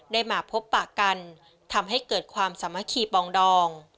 ได้มาพบปากกันทำให้เกิดความสามัคคีปองดอง